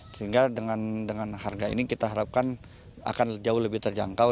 sehingga dengan harga ini kita harapkan akan jauh lebih terjangkau